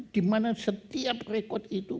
dimana setiap rekod itu